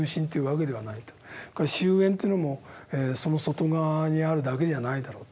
それから周縁っていうのもその外側にあるだけじゃないだろうと。